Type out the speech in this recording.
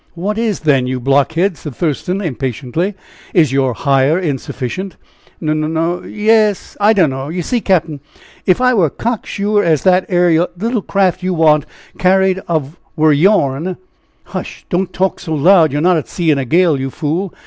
"What is, then, you blockhead?" asked Thurston, impatiently; "is your hire insufficient?" "N n n yes I dunno! You see, cap'n, if I wer' cock sure, as that 'ere little craft you want carried of wer' yourn." "Hush! don't talk so loud. You're not at sea in a gale, you fool.